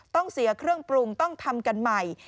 ต้องเสียเครื่องปรุงต้องทำกันใหม่